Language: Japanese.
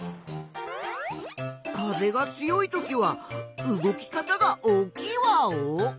風が強いときは動き方が大きいワオ？